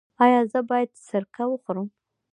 ایا زه باید سرکه وخورم؟